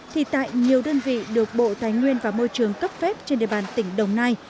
thì tại nhiều đơn vị được bộ tài nguyên và môi trường cấp phép trên địa bàn tỉnh đồng nai